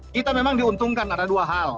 kita memang diuntungkan ada dua hal